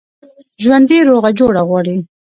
ژوندي روغه جوړه غواړي